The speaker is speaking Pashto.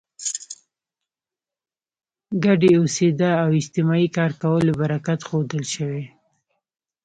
ګډې اوسېدا او اجتماعي کار کولو برکت ښودل شوی.